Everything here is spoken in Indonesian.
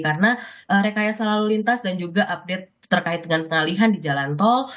karena rekayasa lalu lintas dan juga update terkait dengan pengalihan di jalan tol